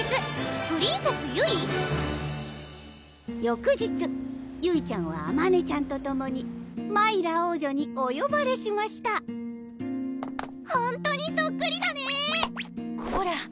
翌日ゆいちゃんはあまねちゃんと共にマイラ王女におよばれしましたほんとにそっくりだねこら